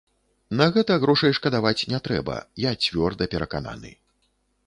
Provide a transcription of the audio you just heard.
На гэта грошай шкадаваць не трэба, я цвёрда перакананы.